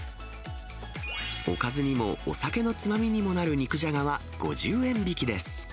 おかずにもお酒のつまみにもなる肉じゃがは５０円引きです。